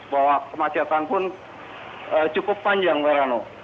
bahwa kemacetan pun cukup panjang herano